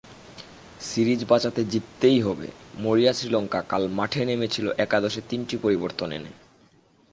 Series বাঁচাতে জিততেই হবে, মরিয়া শ্রীলঙ্কা কাল মাঠে নেমেছিল একাদশে তিনটি পরিবর্তন এনে।